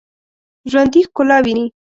ژوندي ښکلا ویني